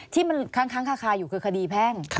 ที่มันค้างคาอยู่คือคดีแพ่ง